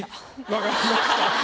分かりました。